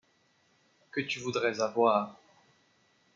Que tu voudrais avoir.